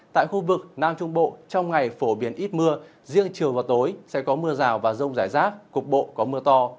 tại khu vực nam trung bộ trong ngày phổ biến ít mưa riêng chiều và tối sẽ có mưa rào và rông rải rác cục bộ có mưa to